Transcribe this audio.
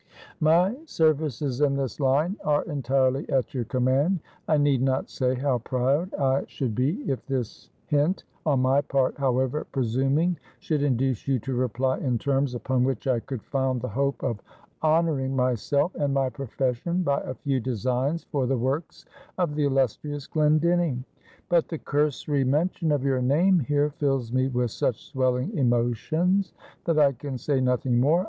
My services in this line are entirely at your command. I need not say how proud I should be, if this hint, on my part, however presuming, should induce you to reply in terms upon which I could found the hope of honoring myself and my profession by a few designs for the works of the illustrious Glendinning. But the cursory mention of your name here fills me with such swelling emotions, that I can say nothing more.